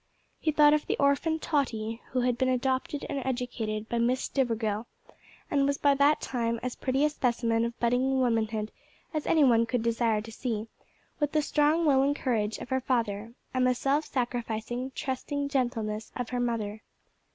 He thought of the orphan Tottie, who had been adopted and educated by Miss Stivergill, and was by that time as pretty a specimen of budding womanhood as any one could desire to see, with the strong will and courage of her father, and the self sacrificing, trusting, gentleness of her mother.